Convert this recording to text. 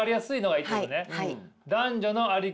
はい。